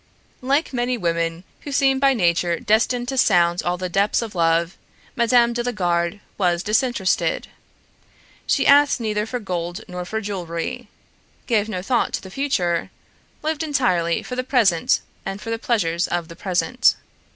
Like many women who seem by nature destined to sound all the depths of love, Mme. de la Garde was disinterested. She asked neither for gold nor for jewelry, gave no thought to the future, lived entirely for the present and for the pleasures of the present.